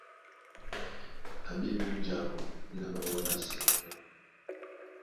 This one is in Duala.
A ɓélɛ́ múnja áō na ɓaɓɔ́ ɓá ɓáísɛ́ mɔ́ ná: